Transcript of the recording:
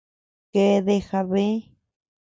Keadea jabee.